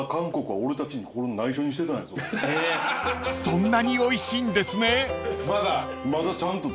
［そんなにおいしいんですね］